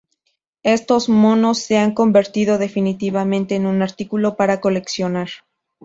Estos monos se han convertido definitivamente en un artículo para coleccionar.